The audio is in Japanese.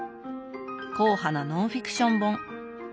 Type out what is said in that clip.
硬派なノンフィクション本。